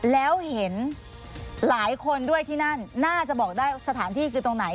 แล้วเห็นหลายคนด้วยที่นั่นน่าจะบอกได้สถานที่คือตรงไหน